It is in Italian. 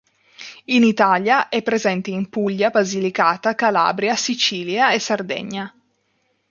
In Italia è presente in Puglia, Basilicata, Calabria, Sicilia e Sardegna.